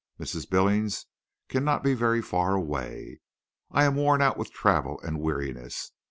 Mrs. Billings cannot be very far away. I am worn out with travel and weariness.